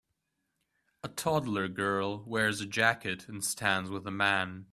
A toddler girl wears a jacket and stands with a man.